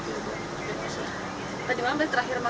tadi malam sebelum puasa ini